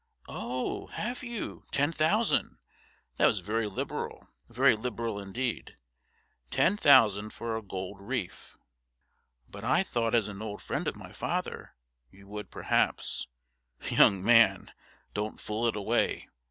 'Oh! Have you! Ten thousand? That was very liberal very liberal indeed. Ten thousand for a gold reef!' 'But I thought as an old friend of my father you would, perhaps ' 'Young man, don't fool it away.